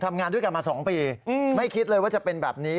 ทำงานด้วยกันมา๒ปีไม่คิดเลยว่าจะเป็นแบบนี้